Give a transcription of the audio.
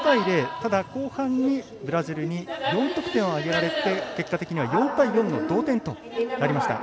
ただ、後半にブラジルに４得点を挙げられて結果的には４対４の同点となりました。